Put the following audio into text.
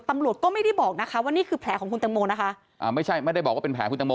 ตำรวจก็ไม่ได้บอกนะคะว่านี่คือแผลของคุณตังโมนะคะอ่าไม่ใช่ไม่ได้บอกว่าเป็นแผลคุณตังโม